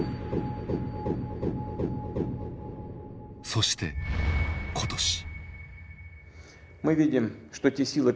そして今年。